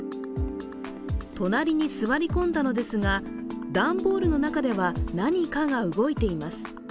隣に座り込んだのですが、段ボールの中では何かが動いています。